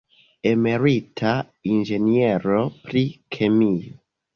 Emerita inĝeniero pri kemio.